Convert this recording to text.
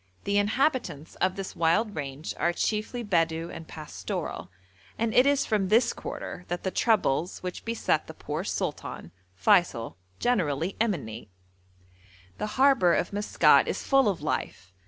The inhabitants of this wild range are chiefly Bedou and pastoral, and it is from this quarter that the troubles which beset the poor sultan, Feysul, generally emanate. The harbour of Maskat is full of life.